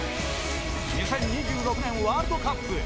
２０２６年ワールドカップへ。